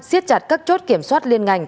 xiết chặt các chốt kiểm soát liên ngành